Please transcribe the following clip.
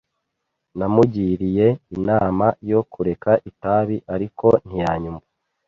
Namugiriye inama yo kureka itabi, ariko ntiyanyumva.